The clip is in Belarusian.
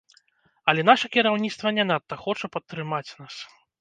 Але наша кіраўніцтва не надта хоча падтрымаць нас.